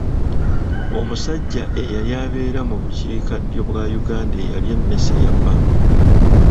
Omusajja eyali abeera mu bukiikaddyo bwa Uganda eyalya emmese yafa.